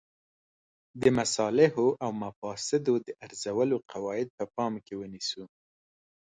د مصالحو او مفاسدو د ارزولو قواعد په پام کې ونیسو.